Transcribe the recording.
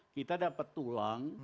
kita dapat tulang